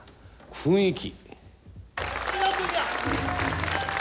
雰囲気。